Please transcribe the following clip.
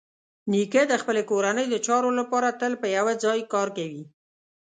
نیکه د خپلې کورنۍ د چارو لپاره تل په یوه ځای کار کوي.